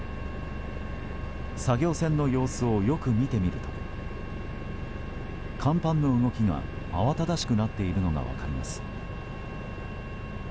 作業船の様子をよく見てみると甲板の動きが慌ただしくなっているのが分かります。